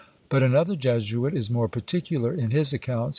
But another Jesuit is more particular in his accounts.